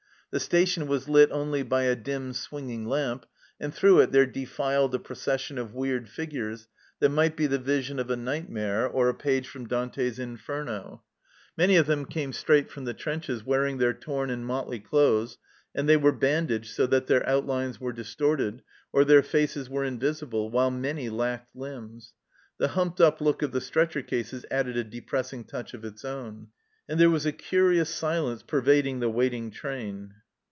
The station was lit only by a dim swinging lamp, and through it there defiled a procession of weird figures that might be the vision of a nightmare or a page from Dante's " Inferno." Many of them came straight from the trenches wearing their torn and motley clothes, and they were bandaged so that their outlines were distorted or their faces were invisible, while many lacked limbs. The humped up look of the stretcher cases added a depressing touch of its own. And there was a curious silence pervading the waiting train.